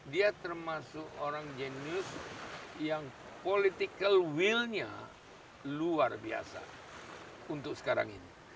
dia termasuk orang jenius yang political will nya luar biasa untuk sekarang ini